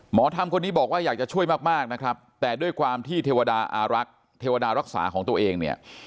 หมอทำคนนี้บอกว่าอยากจะช่วยมากนะครับแต่ด้วยความที่เทวดารักษาของตัวเองเนี่ย